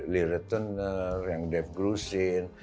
lirik tuner yang deb grusin